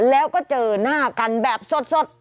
แล้วก็เจอหน้ากันแบบสด